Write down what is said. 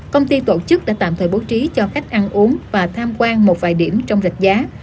công ty tổ chức đã tạm thời bố trí cho khách ăn uống và tham quan một vài điểm trong rạch giá